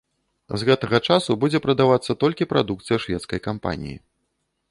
З гэтага часу будзе прадавацца толькі прадукцыя шведскай кампаніі.